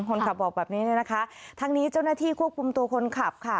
คนขับบอกแบบนี้เลยนะคะทั้งนี้เจ้าหน้าที่ควบคุมตัวคนขับค่ะ